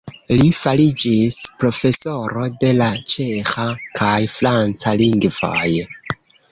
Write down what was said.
Li fariĝis profesoro de la ĉeĥa kaj franca lingvoj.